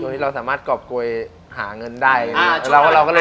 จริงวันนี้มันสร้างเงินแล้วแหละ